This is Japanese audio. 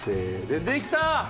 できた！